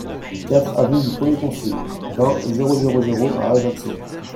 quatre avenue du Premier Consul, vingt, zéro zéro zéro à Ajaccio